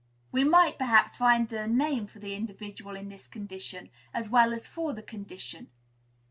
We might, perhaps, find a name for the individual in this condition as well as for the condition.